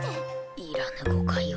要らぬ誤解を。